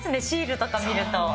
シールとか見ると。